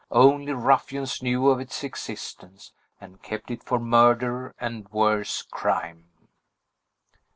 Only ruffians knew of its existence, and kept it for murder, and worse crime.